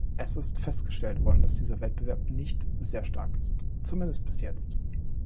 Es ist festgestellt worden, dass dieser Wettbewerb nicht sehr stark ist, zumindest bis jetzt.